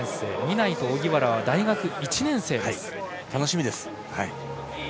南井と荻原は大学１年生です。